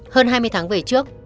hơn hai mươi tháng về trước